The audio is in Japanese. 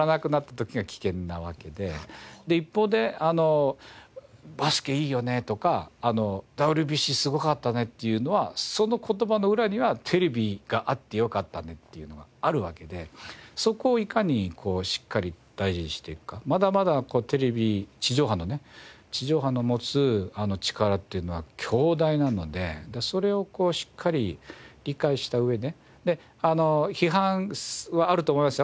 で一方で「バスケいいよね」とか「ＷＢＣすごかったね」っていうのはその言葉の裏には「テレビがあってよかったね」っていうのがあるわけでそこをいかにしっかり大事にしていくかまだまだテレビ地上波のね地上波の持つ力っていうのは強大なのでそれをしっかり理解した上で批判はあると思いますよ。